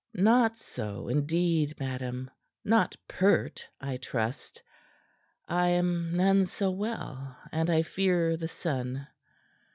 "Not so, indeed, madam. Not pert, I trust. I am none so well, and I fear the sun."